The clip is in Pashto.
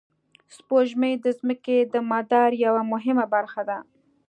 سپوږمۍ د ځمکې د مدار یوه مهمه برخه ده